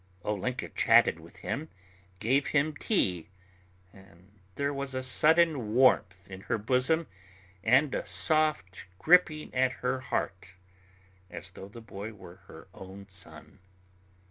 Olenka chatted with him, gave him tea, and there was a sudden warmth in her bosom and a soft gripping at her heart, as though the boy were her own son.